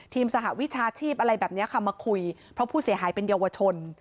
สหวิชาชีพอะไรแบบนี้ค่ะมาคุยเพราะผู้เสียหายเป็นเยาวชน